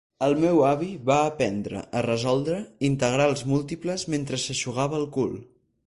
El meu avi va aprendre a resoldre integrals múltiples mentre s'eixugava el cul